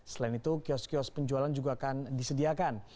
selain itu kios kios penjualan juga akan disediakan